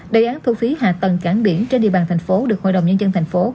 đề án thu phí hạ tầng cảng biển trên địa bàn tp hcm được hội đồng nhân dân tp hcm